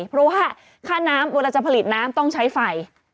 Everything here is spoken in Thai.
เพราะว่าค่าน้ำเวลาจะผลิตน้ำต้องใช้ไฟ